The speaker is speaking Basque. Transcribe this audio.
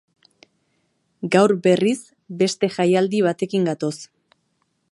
Gaur, berriz, beste jaialdi batekin gatoz.